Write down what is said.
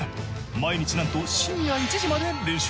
毎日なんと深夜１時まで練習。